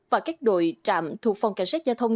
và các đội trạm thuộc phòng cảnh sát giao thông